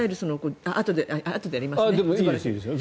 あとでやりますよね。